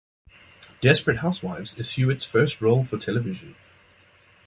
"Desperate Housewives" is Huett's first role for television.